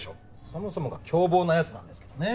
そもそもが凶暴な奴なんですけどね。